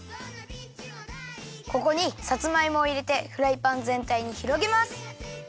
ここにさつまいもをいれてフライパンぜんたいにひろげます。